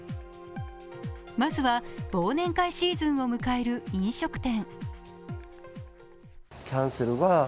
まずは忘年会シーズンを迎える飲食店。